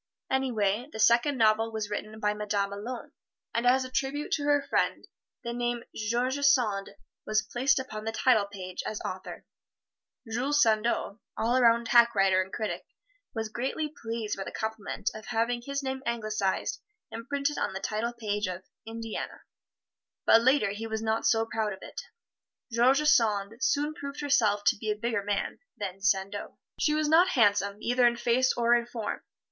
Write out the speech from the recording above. Anyway, the second novel was written by the Madame alone, and as a tribute to her friend the name "George Sand" was placed upon the title page as author. Jules Sandeau, all 'round hack writer and critic, was greatly pleased by the compliment of having his name anglicized and printed on the title page of "Indiana," but later he was not so proud of it. George Sand soon proved herself to be a bigger man than Sandeau. She was not handsome, either in face or in form.